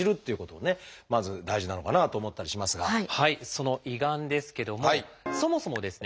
その胃がんですけどもそもそもですね